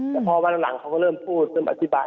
แต่พอวันหลังเขาก็เริ่มพูดเริ่มอธิบาย